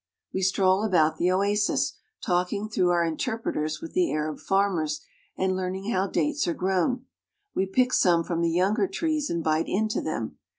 We stroll about the oasis, talking through our inter preters with the Arab farmers and learning how dates are grown. We pick some from the younger trees and bite into them.